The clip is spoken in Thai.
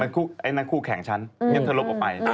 ทางนั้นคู่แข่งชั้นเงียบเธอลบออกไป